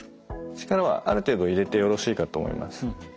力はある程度入れてよろしいかと思います。